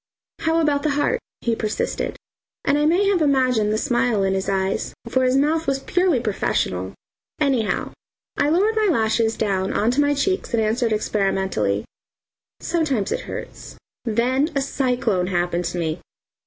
"How about the heart?" he persisted, and I may have imagined the smile in his eyes, for his mouth was purely professional. Anyhow, I lowered my lashes down on to my cheeks and answered experimentally: "Sometimes it hurts." Then a cyclone happened to me.